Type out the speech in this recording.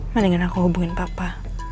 mendingan aku hubungin papa